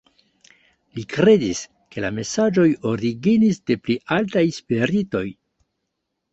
Li kredis, ke la mesaĝoj originis de pli altaj spiritoj.